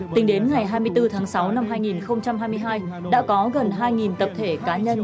tính đến ngày hai mươi bốn tháng sáu năm hai nghìn hai mươi hai đã có gần hai tập thể cá nhân